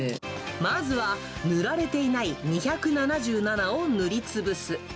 まずは塗られていない２７７を塗り潰す。